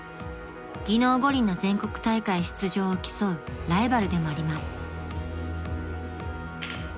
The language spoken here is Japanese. ［技能五輪の全国大会出場を競うライバルでもあります］